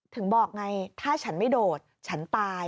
ถึงบอกไงถ้าฉันไม่โดดฉันตาย